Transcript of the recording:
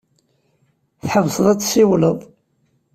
Tḥebseḍ ad tessiwleḍ.